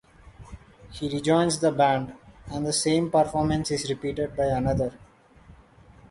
He rejoins the band, and the same performance is repeated by another.